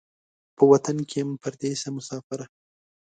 په وطن کې یم پردېسه مسافره